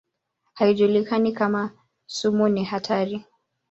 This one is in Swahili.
Haijulikani kama sumu ni hatari.